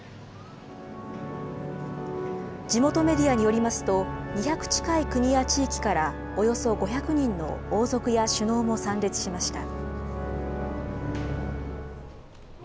地元メディアによりますと２００近い国や地域からおよそ５００人の王族や首脳も参列しました。